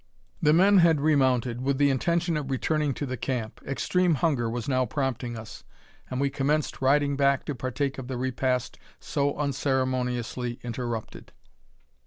The men had remounted, with the intention of returning to the camp. Extreme hunger was now prompting us, and we commenced riding back to partake of the repast so unceremoniously interrupted.